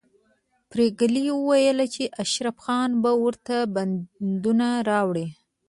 پريګلې وویل چې اشرف خان به ورته بندونه راوړي